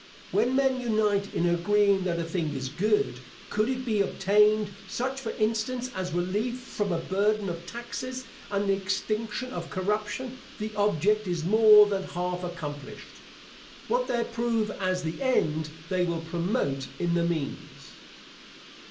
When men unite in agreeing that a thing is good, could it be obtained, such for instance as relief from a burden of taxes and the extinction of corruption, the object is more than half accomplished. What they approve as the end, they will promote in the means.